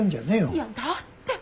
いやだって。